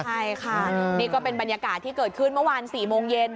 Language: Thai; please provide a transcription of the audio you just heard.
ใช่ค่ะนี่ก็เป็นบรรยากาศที่เกิดขึ้นเมื่อวาน๔โมงเย็น